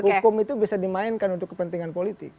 hukum itu bisa dimainkan untuk kepentingan politik